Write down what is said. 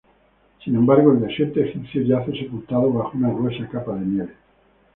Sin embargo, el desierto egipcio yace sepultado bajo una gruesa capa de nieve.